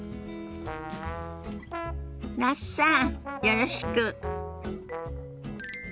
那須さんよろしく。